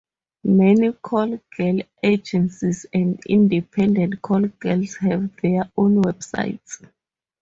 Many call girl agencies and independent call girls have their own websites.